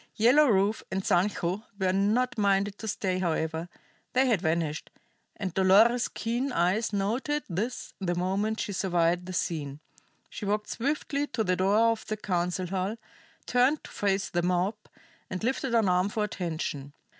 Yellow Rufe and Sancho were not minded to stay, however; they had vanished; and Dolores's keen eyes noted this the moment she surveyed the scene. She walked swiftly to the door of the council hall, turned to face the mob, and lifted an arm for attention.